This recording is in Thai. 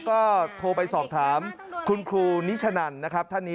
ก็โทรไปสอบถามคุณครูนิชนันนะครับท่านนี้